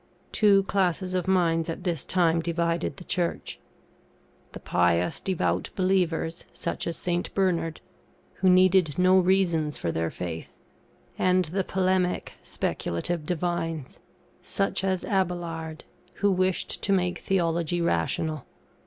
Two classes of minds at this time divided the Church the pious, devout believers (such as St. Bernard), who needed no reasons for their faith, and the polemic speculative divines (such as Abaelard), who wished to make Theology rational.